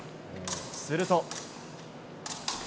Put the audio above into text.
すると。